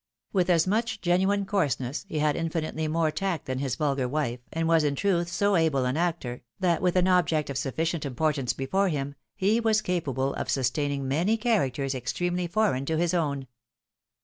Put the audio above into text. With as much genuine coarseness, he had infinitely more tact than his vulgar wife', and was, in truth, so able an actor, that with an object of sufficient importance before him, he was capable of sustaining many characters extremely foreign to his own.